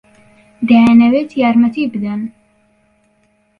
دەیانەوێت یارمەتی بدەن.